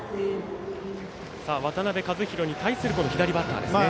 渡辺和大に対する左バッターですね。